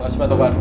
makasih pak togar